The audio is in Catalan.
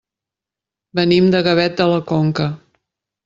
Venim de Gavet de la Conca.